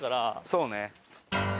そうね。